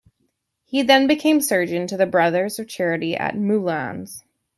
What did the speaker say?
He then became surgeon to the Brothers of Charity at Moulins.